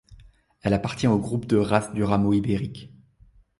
Elle appartient au groupe de races du rameau ibérique.